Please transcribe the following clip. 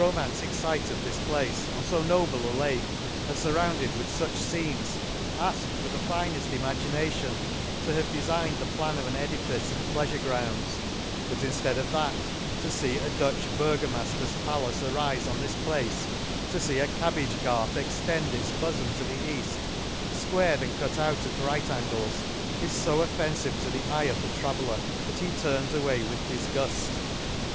mantfic fcite of this place, on fo noble a Jake, and furrouijded with fuch fcenes, alk^d for the fineffc imagination to have defigned the plan of an edifice and pleafure grounds ;•— but inflead of that to fee a Dutch Burgomafier's palace arife on this place, to fee a cabbage garth extend its bofom to the eaft, fquared and cut out at right angles, is fo offensive to the eye of the traveller, that he turns ^way with difguft.